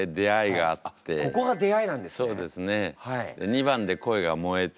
２番で恋がもえて。